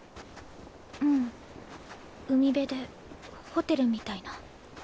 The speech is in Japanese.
うん海辺でホテルみたいな。